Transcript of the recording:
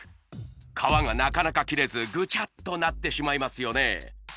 皮がなかなか切れずグチャッとなってしまいますよね